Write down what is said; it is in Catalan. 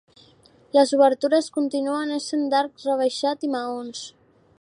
Les obertures continuen essent d'arc rebaixat i maons.